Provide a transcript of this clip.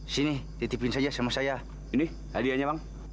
sini titipin saja sama saya ini hadiahnya bang